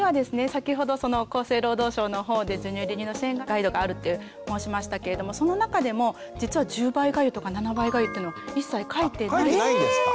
先ほど厚生労働省のほうで「授乳・離乳の支援ガイド」があるって申しましたけれどもその中でも実は１０倍がゆとか７倍がゆというのは一切書いてない。